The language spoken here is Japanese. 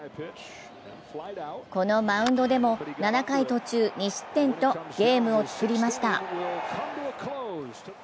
このマウンドでも７回途中２失点とゲームをつくりました。